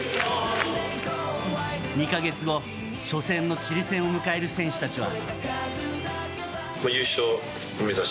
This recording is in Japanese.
２か月後、初戦のチリ戦を迎える選手たちは。